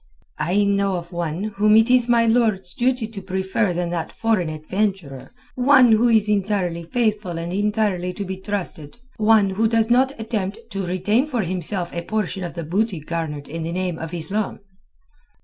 "I know of one whom it is my lord's duty to prefer to that foreign adventurer. One who is entirely faithful and entirely to be trusted. One who does not attempt to retain for himself a portion of the booty garnered in the name of Islam."